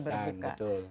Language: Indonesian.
iya kebablasan betul